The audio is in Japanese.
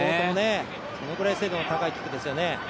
そのぐらい精度の高いキックですよね。